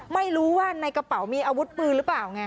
ไม่รู้ว่าในกระเป๋ามีอาวุธปืนหรือเปล่าไง